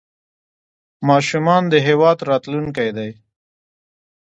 ماشومان د هېواد راتلونکی دی